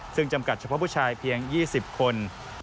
ซึ่งจำกัดเฉพาะผู้ชายเพียง๒๐คน